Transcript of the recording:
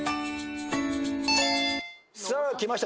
さあきました